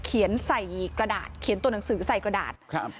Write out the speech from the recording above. ใส่กระดาษเขียนตัวหนังสือใส่กระดาษครับ